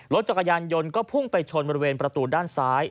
รถจักรยานยนต์ก็พุ่งไปชนบริเวณประตูด้านซ้าย